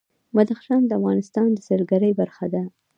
بدخشان د افغانستان د سیلګرۍ برخه ده.